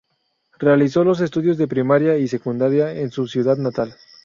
Realizó los estudios de primaria y secundaria en su ciudad natal.